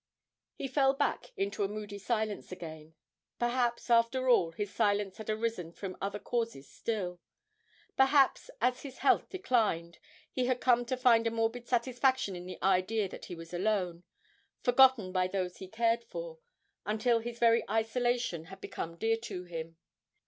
He fell back into a moody silence again. Perhaps, after all, his silence had arisen from other causes still; perhaps, as his health declined, he had come to find a morbid satisfaction in the idea that he was alone forgotten by those he cared for until his very isolation had become dear to him.